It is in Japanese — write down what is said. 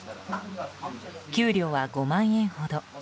給料は５万円ほど。